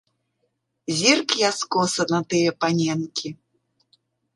Зірк я скоса на тыя паненкі.